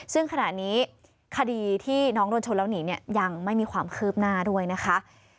ซึ่งขณะนี้คดีที่น้องโดนชนแล้วหนีเนี่ยยังไม่มีความคืบหน้าด้วยนะคะ